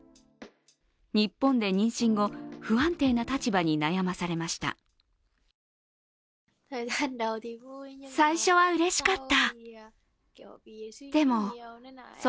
日本で妊娠後、不安定な立場に悩まされました。